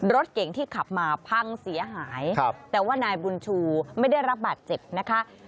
รถเก่งที่ขับมาพังเสียหายแต่ว่านายบุญชูไม่ได้รับบาดเจ็บนะคะ